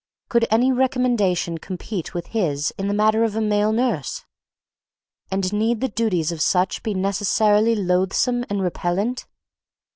Could any recommendation compete with his in the matter of a male nurse? And need the duties of such be necessarily loathsome and repellent?